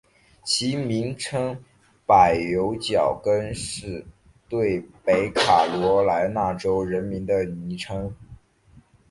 其名称柏油脚跟是对北卡罗来纳州人民的昵称。